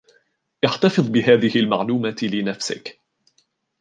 احتفظ بهذه المعلومة لنفسك.